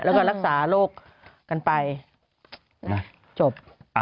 แล้วก็รักษาโรคกันไปจบ